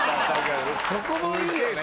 そこもいいよね。